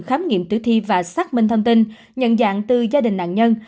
khám nghiệm tử thi và xác minh thông tin nhận dạng từ gia đình nạn nhân